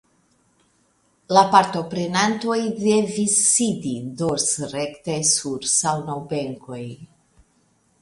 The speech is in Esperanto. La partoprenantoj devis sidi dorsrekte sur saŭnobenkoj.